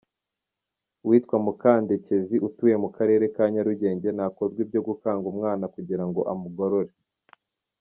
Uwitwa Mukandekezi utuye mu Karere ka Nyarugenge, ntakozwa ibyo gukanga umwana kugira ngo amugorore.